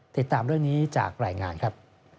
ติดตามเรื่องนี้จากรายงานครับ